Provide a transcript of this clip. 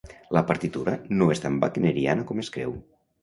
La partitura no és tan wagneriana com es creu.